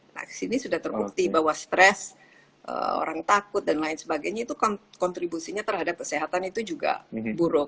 nah kesini sudah terbukti bahwa stres orang takut dan lain sebagainya itu kontribusinya terhadap kesehatan itu juga buruk